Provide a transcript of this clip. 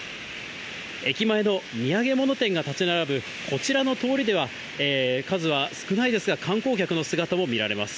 駅前の土産物店が建ち並ぶこちらの通りでは、数は少ないですが、観光客の姿も見られます。